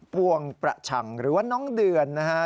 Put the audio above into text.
ปวงประชังหรือว่าน้องเดือนนะฮะ